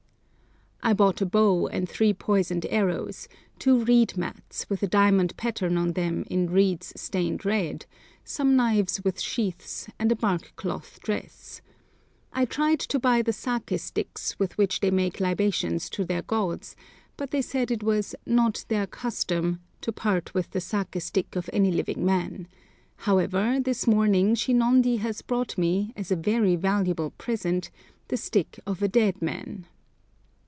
I bought a bow and three poisoned arrows, two reed mats, with a diamond pattern on them in reeds stained red, some knives with sheaths, and a bark cloth dress. I tried to buy the saké sticks with which they make libations to their gods, but they said it was "not their custom" to part with the saké stick of any living man; however, this morning Shinondi has brought me, as a very valuable present, the stick of a dead man!